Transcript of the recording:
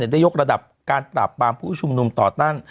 ได้ยกระดับการปราบปรามผู้ชุมนุมต่อต้าน